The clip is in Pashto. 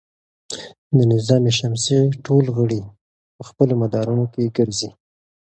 د نظام شمسي ټول غړي په خپلو مدارونو کې ګرځي.